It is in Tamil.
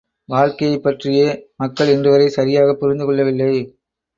வாழ்க்கையைப் பற்றியே மக்கள் இன்றுவரை சரியாகப் புரிந்து கொள்ளவில்லை.